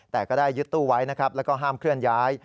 แต่ก็ได้ยึดตู้ไว้นะครับแล้วก็ห้ามเคลื่อนย้าย